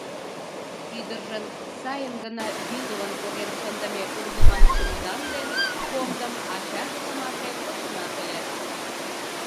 Ӱдыржын сайын гына вӱдылын-поген шындыме ургыман чемодан ден комдым ачаже тымарте почынат ыле.